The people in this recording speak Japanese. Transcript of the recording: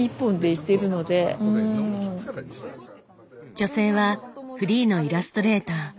女性はフリーのイラストレーター。